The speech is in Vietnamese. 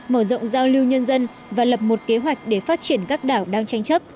mở rộng giao lưu nhân dân và lập một kế hoạch để phát triển các đảo đang tranh chấp